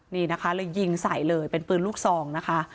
นี่นะคะเลยยิงใส่เลยเป็นปืนลูกซองนะคะ